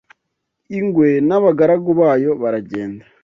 Ingwe n'abagaragu bayo baragenda